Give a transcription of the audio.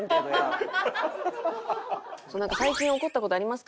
「最近怒った事ありますか？」